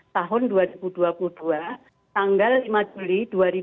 tahun dua ribu dua puluh dua tanggal lima juli dua ribu dua puluh